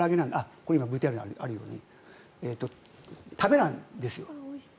これ今、ＶＴＲにあるように食べないんですよ。